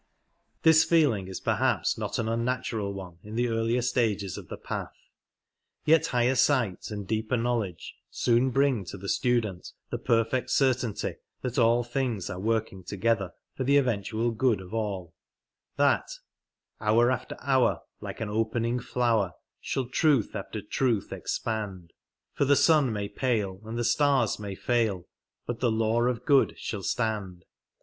" This feeling is perhaps not an unnatural one in the earlier stages of the Path, yet higher sight and deeper knowledge soon bring to the student the perfect certainty that all things are working together for the eventual good of all — that Hour after hour, like an opening flower, Shall truth after truth expand ; For the sun may pale, and the stars may fail, But the Law of Good shall stand.